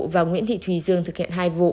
và nguyễn thị thùy dương thực hiện hai vụ